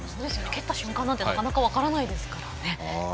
蹴った瞬間なんてなかなか分からないですからね。